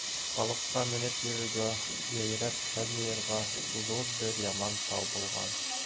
Халыҡҡа менеп йөрөргә, йәйрәп хәл йыйырға ҙур бер яман тау булған.